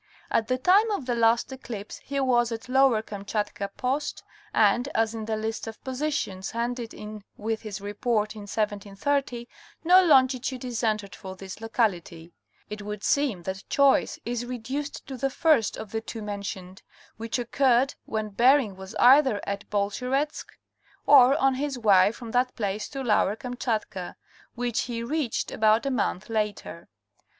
At the time of the last eclipse he was at Lower Kamchatka post, and as, in the list of positions handed in with his Report in 1730, no longitude is entered for this locality, it would seem that choice is reduced to the first of the two mentioned ; which occurred when Bering was either at Bolsheretsk or on his way from that place to Lower Kamchatka, which he reached about a month later.